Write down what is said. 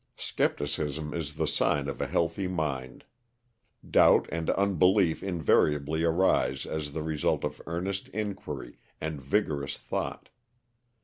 Scepticism is the sign of a healthy mind. Doubt and unbelief invariably arise as the result of earnest inquiry and vigorous thought.